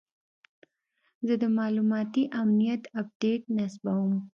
زه د معلوماتي امنیت اپډیټ نصبوم.